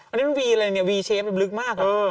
อันนี้มันวีอะไรเนี่ยวีเชฟลึกมาก